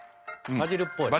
バジルっぽい。